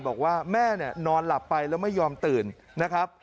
บอกว่าแม่เนี่ยนอนหลับไปแล้วไม่ยอมตื่นนะครับ